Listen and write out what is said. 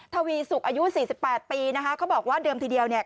ทวีสุกอายุสี่สิบแปดปีนะคะเขาบอกว่าเดิมทีเดียวเนี่ย